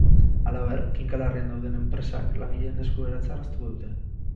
Halaber, kinka larrian dauden enpresak langileen esku geratzea erraztuko dute.